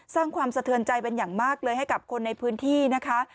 สร้างความสะเทือนใจเป็นอย่างมากเลยให้กับคนในพื้นที่นะคะ